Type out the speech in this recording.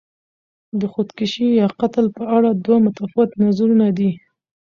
د خودکشي یا قتل په اړه دوه متفاوت نظرونه دي.